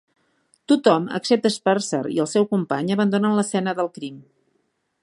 Tothom excepte Sparser i el seu company abandonen l'escena del crim.